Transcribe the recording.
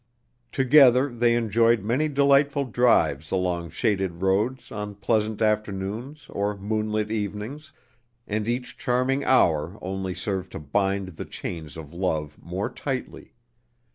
Together they enjoyed many delightful drives along shaded roads on pleasant afternoons or moonlit evenings, and each charming hour only served to bind the chains of love more tightly.